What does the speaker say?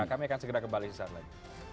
kami akan segera kembali saat lain